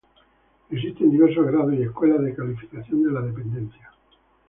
Existen diversos grados y escalas de calificación de la dependencia.